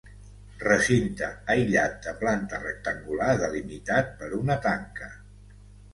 Recinte aïllat de planta rectangular delimitat per una tanca.